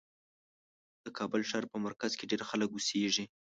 د کابل ښار په مرکز کې ډېر خلک اوسېږي.